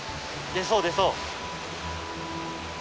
出そう出そう。